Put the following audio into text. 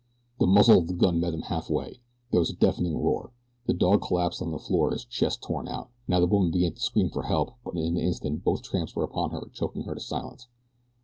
The muzzle of the gun met him halfway. There was a deafening roar. The dog collapsed to the floor, his chest torn out. Now the woman began to scream for help; but in an instant both the tramps were upon her choking her to silence.